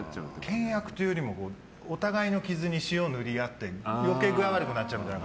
険悪というよりもお互いの傷に塩を塗り合って余計、具合悪くなるみたいな。